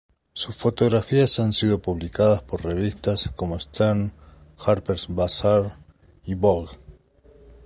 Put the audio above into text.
Sus fotografías han sido publicadas por revistas, como Stern, Harper's Bazaar y Vogue.